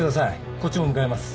こっちも向かいます。